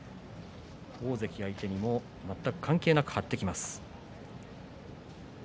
大関相手にも全く関係なく張ってきます。